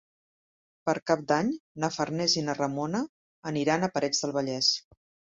Per Cap d'Any na Farners i na Ramona aniran a Parets del Vallès.